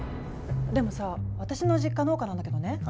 でもさあ私の実家農家なんだけどね